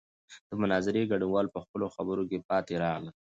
د مناظرې ګډونوال په خپلو خبرو کې پاتې راغلل.